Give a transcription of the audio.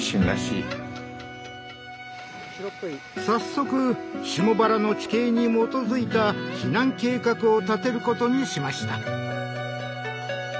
早速下原の地形に基づいた避難計画を立てることにしました。